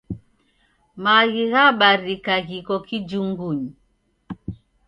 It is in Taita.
Maghi ghabarika ghiko kijungunyi.